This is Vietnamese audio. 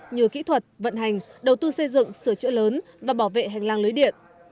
như kỹ thuật vận hành đầu tư xây dựng sửa chữa lớn và bảo vệ hành lang lưới điện